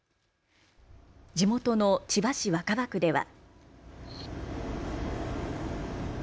地元の千葉市若葉区では。